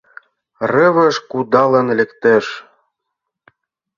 Рывыж кудалын лектеш...